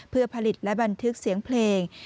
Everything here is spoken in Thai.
เพื่อผลิตและบันทึกเสียงเพลง